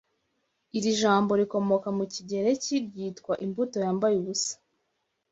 Iri jambo, rikomoka mu kigereki ryitwa "imbuto yambaye ubusa",